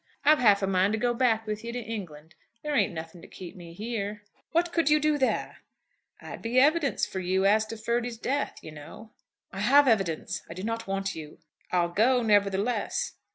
"I've half a mind to go back with you to England. There ain't nothing to keep me here." "What could you do there?" "I'd be evidence for you, as to Ferdy's death, you know." "I have evidence. I do not want you." "I'll go, nevertheless."